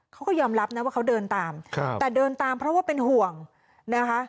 เขาก็ยอมรับนะว่าเขาเดินตามแต่เดินตามเพราะว่าเป็นห่วงนะคะ